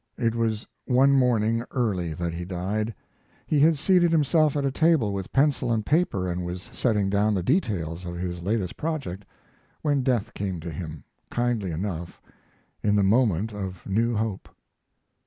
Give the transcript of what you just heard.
It was one morning early that he died. He had seated himself at a table with pencil and paper and was setting down the details of his latest project when death came to him, kindly enough, in the moment of new hope.